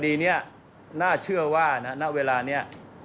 คดีนี้น่าเชื่อว่าณเวลานี้